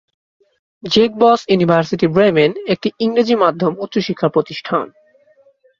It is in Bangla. জেকবস ইউনিভার্সিটি ব্রেমেন একটি ইংরেজি মাধ্যম উচ্চশিক্ষা প্রতিষ্ঠান।